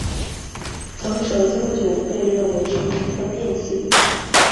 螣蛇增九被认为是一颗变星。